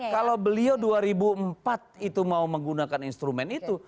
kalau beliau dua ribu empat itu mau menggunakan instrumen itu